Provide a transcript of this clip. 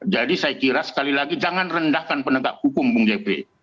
jadi saya kira sekali lagi jangan rendahkan penegak hukum bang jeffrey